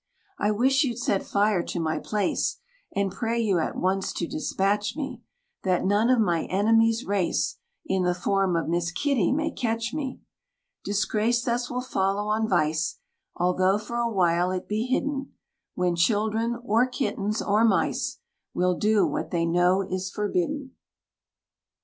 "I wish you'd set fire to my place; And pray you at once to despatch me, That none of my enemy's race, In the form of Miss Kitty, may catch me!" Disgrace thus will follow on vice, Although for a while it be hidden; When children, or kittens, or mice, Will do what they know is forbidden.